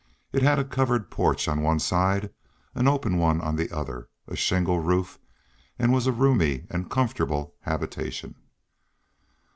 It had a covered porch on one side, an open one on the other, a shingle roof, and was a roomy and comfortable habitation.